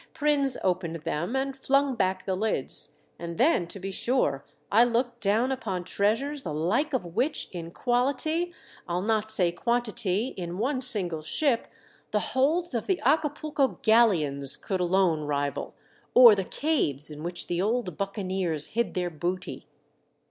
Prins opened them and flung back the lids, and then, to be sure, I looked down upon treasures the like of which in quality, I'll not say quantity, in one single ship, the holds of the Acapulco galleons could alone rival, or the caves in which the old bucca neers hid their booty.